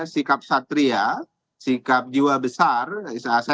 sikap satria sikap jiwa besar